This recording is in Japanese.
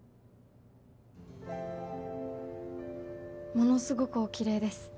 ものすごくお綺麗です。